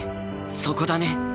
そこだね。